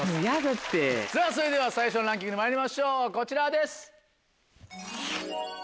さぁそれでは最初のランキングにまいりましょうこちらです。